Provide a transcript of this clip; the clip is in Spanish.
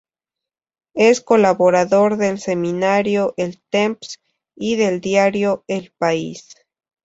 Es colaborador del semanario "El Temps" y del diario "El País".